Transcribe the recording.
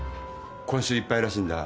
今週いっぱいらしいんだ。